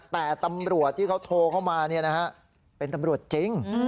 แต่ตำรวจที่เขาโทรเข้ามาเป็นตำรวจจริง